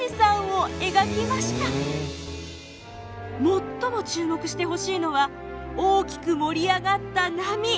最も注目してほしいのは大きく盛り上がった波。